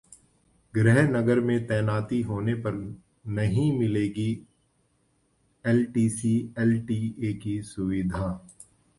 गृहनगर में तैनाती होने पर नहीं मिलेगी एलटीसी-एलटीए की सुविधा